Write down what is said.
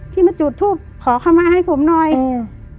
ที่มาจุดทูปขอเข้ามาให้ผมหน่อยอืม